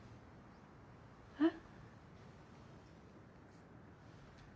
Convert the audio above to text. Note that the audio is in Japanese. えっ？